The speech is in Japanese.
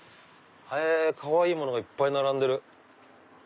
かわいいものがいっぱい並んでる。